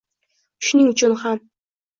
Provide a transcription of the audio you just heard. Shuning-chun ham